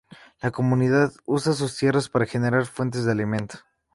La comunidad usa sus tierras para generar fuentes de alimento.